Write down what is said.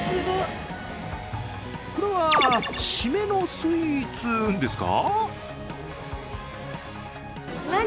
これは締めのスイーツですか？